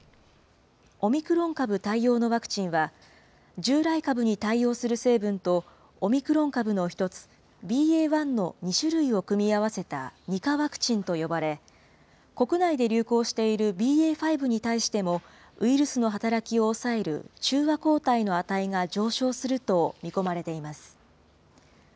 オミクロン株対応のワクチンは、従来株に対応する成分と、オミクロン株の一つ、ＢＡ．１の２種類を組み合わせた２価ワクチンと呼ばれ、国内で流行しているＢＡ．５に対しても、ウイルスの働きを抑える中和抗体の値が上昇すると見込まれています。